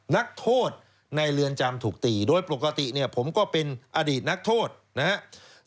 นักโทษในเรือนจำถูกตีโดยปกติเนี่ยผมก็เป็นอดีตนักโทษนะครับ